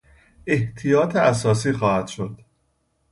احتیاط اساسی خواهد بود.